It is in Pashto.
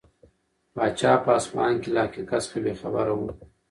پاچا په اصفهان کې له حقیقت څخه بې خبره و.